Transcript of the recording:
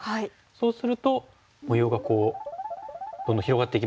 そうすると模様がこうどんどん広がっていきますよね。